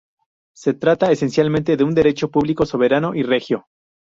Se trata esencialmente de un derecho público, soberano y regio.